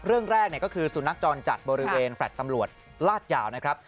เรื่องแรกก็คือสุนัขจรจัดบริเวณแฟลต์ตำรวจลาดยาวนะครับ